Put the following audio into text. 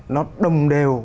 nó đồng đều